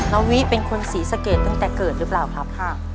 วิเป็นคนศรีสะเกดตั้งแต่เกิดหรือเปล่าครับ